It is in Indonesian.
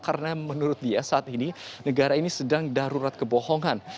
karena menurut dia saat ini negara ini sedang darurat kebohongan